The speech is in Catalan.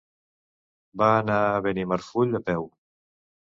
Va anar a Benimarfull a peu.